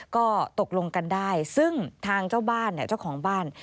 ก็ตกลงกันได้ซึ่งทางเจ้าบ้านเนี่ยเจ้าของบ้าน